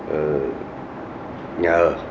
thì không phải đẩy sang